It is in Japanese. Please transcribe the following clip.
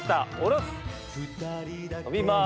伸びます。